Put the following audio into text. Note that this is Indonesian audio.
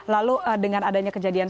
lalu dengan adanya kejadian